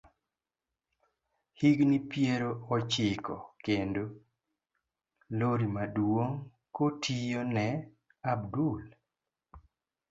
Higni piero ochiko kendo lori maduong kotiyo ne Abdul.